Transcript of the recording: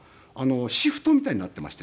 シフトみたいになっていましてね。